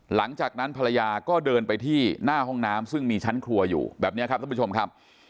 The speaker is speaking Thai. หลังจากนั้นภรรยาก็เดินไปที่หน้าห้องน้ำซึ่งมีชั้นครัวอยู่แบบนี้ครับท่านผู้ชมครับ